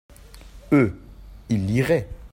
eux, ils liraient.